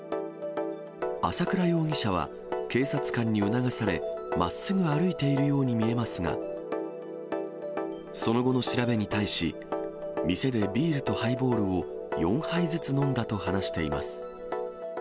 朝倉容疑者は、警察官に促され、まっすぐ歩いているように見えますが、その後の調べに対し、店でビールとハイボールを４杯ずつ飲んだと話しています。